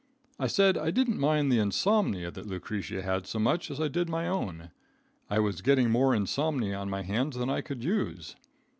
I said I didn't mind the insomnia that Lucretia had so much as I did my own. I was getting more insomnia on my hands than I could use.